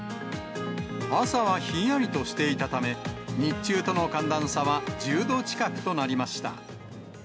朝はひんやりとしていたため、日中との寒暖差は１０度近くとなりました。